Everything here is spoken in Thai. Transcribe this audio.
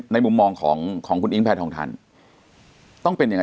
ในมุมมองของคุณอิงแพทย์ทองทัน